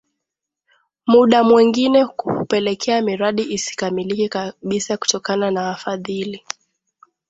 Muda mwengine hupelekea miradi isikamilike kabisa kutokana na wafadhili